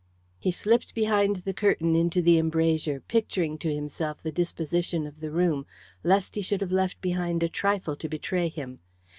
He slipped behind the curtain into the embrasure, picturing to himself the disposition of the room, lest he should have left behind a trifle to betray him.